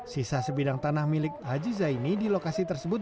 sisa sebidang tanah milik haji zaini di lokasi tersebut